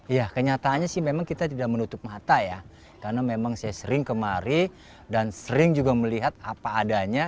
ya kenyataannya sih memang kita tidak menutup mata ya karena memang saya sering kemari dan sering juga melihat apa adanya